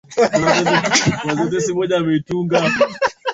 mamlaka bali kuwavumilia katika yote Labda huona hofu ya kuwa dini